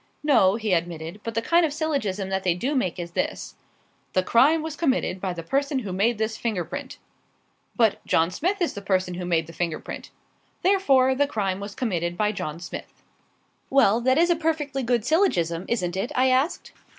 "No," he admitted. "But the kind of syllogism that they do make is this "'The crime was committed by the person who made this finger print. "'But John Smith is the person who made the finger print. "'Therefore the crime was committed by John Smith.'" "Well, that is a perfectly good syllogism, isn't it?" I asked.